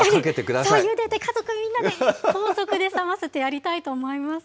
しっかりゆでて家族みんなで高速で冷ますってやりたいと思い